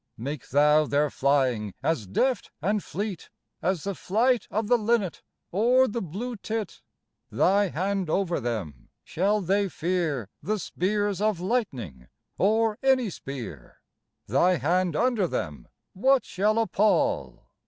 Make Thou their flying as deft and fleet As the flight of the linnet or the blue tit. Thy hand over them, shall they fear The spears of lightning or any spear ? Thy hand under them, what shall appal ?